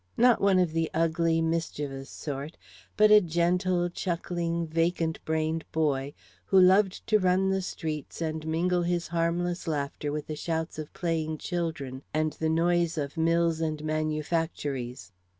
Not one of the ugly, mischievous sort, but a gentle, chuckling vacant brained boy, who loved to run the streets and mingle his harmless laughter with the shouts of playing children and the noise of mills and manufactories.